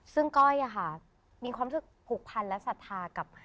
ซึ่งก้อยมีความผูกพันธ์และศรัทธา